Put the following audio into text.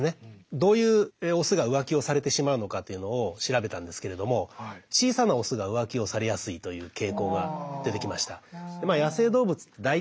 どういうオスが浮気をされてしまうのかっていうのを調べたんですけれども小さなオスが浮気をされやすいという傾向が出てきました。